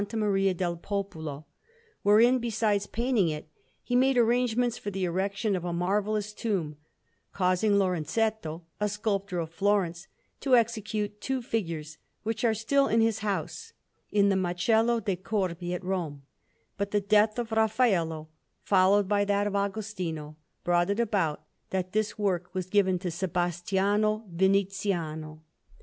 Maria del Popolo, wherein, besides painting it, he made arrangements for the erection of a marvellous tomb, causing Lorenzetto, a sculptor of Florence, to execute two figures, which are still in his house in the Macello de' Corbi at Rome; but the death of Raffaello, followed by that of Agostino, brought it about that this work was given to Sebastiano Viniziano.